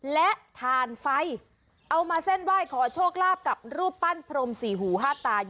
และถ่านไฟเอามาเส้นไหว้ขอโชคลาภกับรูปปั้นพรมสี่หูห้าตา